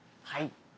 はい。